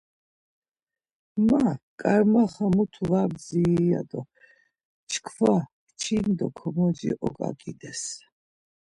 Ma ǩarmaxa mutu var bdziri ya do çkva çil do komoci oǩaǩides.